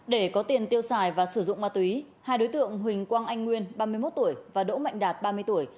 để có tiền tiêu xài và sử dụng ma túy hai đối tượng huỳnh quang anh nguyên ba mươi một tuổi và đỗ mạnh đạt ba mươi tuổi